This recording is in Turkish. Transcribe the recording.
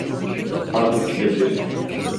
Artık gidebiliriz.